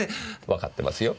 わかってますよ。